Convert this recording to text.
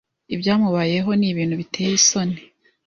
ibyamubayeho.nibintu biteye isoni